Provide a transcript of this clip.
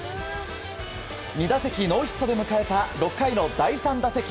２打席ノーヒットで迎えた６回の第３打席。